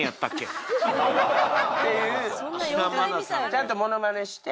ちゃんとモノマネして。